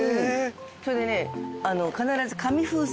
それでね。